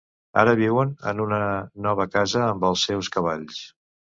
Ara viuen en una nova casa amb els seus cavalls.